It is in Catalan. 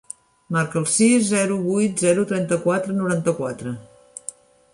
Marca el sis, zero, vuit, zero, trenta-quatre, noranta-quatre.